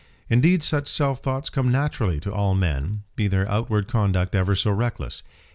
Indeed such self thoughts come naturally to all men, be their outward conduct ever so reckless.